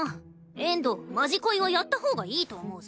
遠藤「まじこい」はやった方がいいと思うぞ。